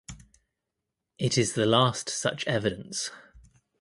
It is the last such evidence.